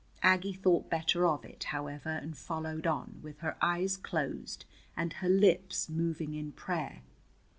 Aggie thought better of it, however, and followed on, with her eyes closed and her lips moving in prayer.